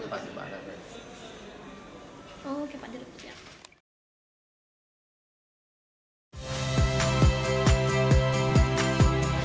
oke pak jangan lupa ya